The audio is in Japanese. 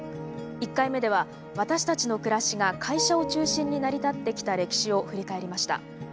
１回目では私たちの暮らしが会社を中心に成り立ってきた歴史を振り返りました。